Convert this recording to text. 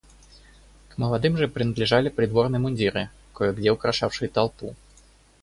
К молодым же принадлежали придворные мундиры, кое-где украшавшие толпу.